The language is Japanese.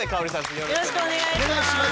よろしくお願いします。